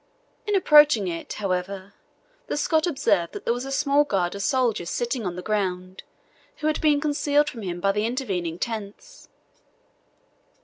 In approaching it, however, the Scot observed there was a small guard of soldiers sitting on the ground, who had been concealed from him by the intervening tents.